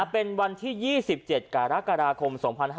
เป็นวันที่๒๗กรกฎาคม๒๕๕๙